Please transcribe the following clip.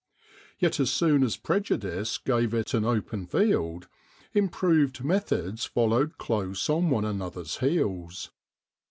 Yet as soon as prejudice gave it an open field, improved methods followed close on one another's heels.